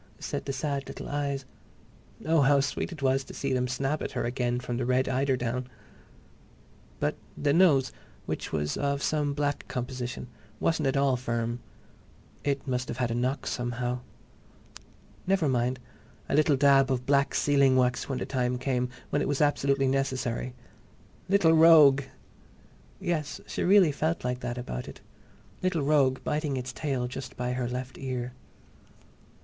said the sad little eyes. Oh, how sweet it was to see them snap at her again from the red eiderdown!... But the nose, which was of some black composition, wasn't at all firm. It must have had a knock, somehow. Never mind—a little dab of black sealing wax when the time came—when it was absolutely necessary.... Little rogue! Yes, she really felt like that about it. Little rogue biting its tail just by her left ear.